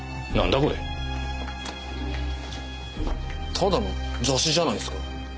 ただの雑誌じゃないですか？